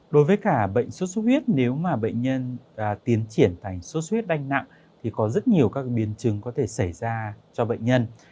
đối với cả bệnh số suất huyết nếu mà bệnh nhân tiến triển thành số suất huyết đanh nặng thì có rất nhiều các biến chứng có thể xảy ra cho bệnh nhân